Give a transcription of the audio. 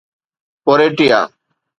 ڪوريٽيا